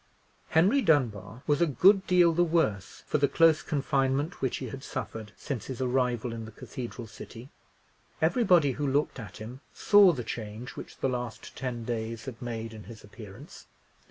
Henry Dunbar was a good deal the worse for the close confinement which he had suffered since his arrival in the cathedral city. Everybody who looked at him saw the change which the last ten days had made in his appearance.